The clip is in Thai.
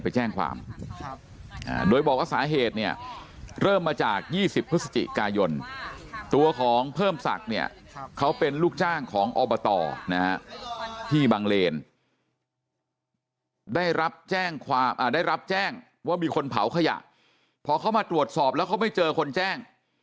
ไปแจ้งความโดยบอกว่าสาเหตุเนี่ยเริ่มมาจาก๒๐พฤศจิกายนตัวของเพิ่มศักดิ์เนี่ยเขาเป็นลูกจ้างของอบตนะฮะที่บังเลนได้รับแจ้งความได้รับแจ้งว่ามีคนเผาขยะพอเขามาตรวจสอบแล้วเขาไม่เจอคนแจ้ง